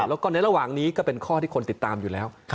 แล้วก็ในระหว่างนี้ก็เป็นข้อที่คนติดตามอยู่แล้ว